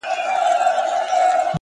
تنکی رويباره له وړې ژبي دي ځارسم که نه؛